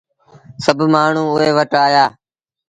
سڀ مآڻهوٚ اُئي وٽ آيآ۔